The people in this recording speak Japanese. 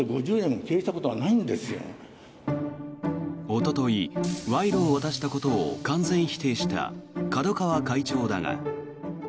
おととい、賄賂を渡したことを完全否定した角川会長だが。